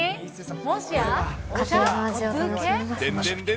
もしや。